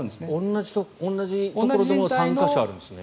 同じところでも３か所あるんですね。